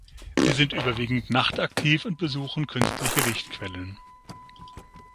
Sie sind überwiegend nachtaktiv und besuchen künstliche Lichtquellen.